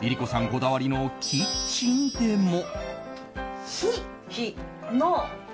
こだわりのキッチンでも。